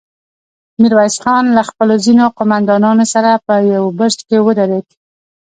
ميرويس خان له خپلو ځينو قوماندانانو سره په يوه برج کې ودرېد.